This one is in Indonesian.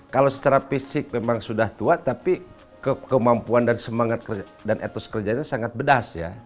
kalau secara fisik memang sudah tua tapi kemampuan dan semangat dan etos kerjanya sangat bedas ya